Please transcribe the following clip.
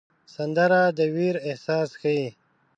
سندره د ویر احساس ښيي